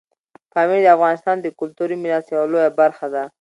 پامیر د افغانستان د کلتوري میراث یوه لویه برخه ده.